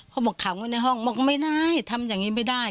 บอกขำไว้ในห้องบอกไม่ได้ทำอย่างนี้ไม่ได้